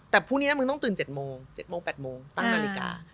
แต่พรุ่งนี้มึงต้องตื่นเจ็ดโมงเจ็ดโมงแปดโมงตั้งนาฬิกา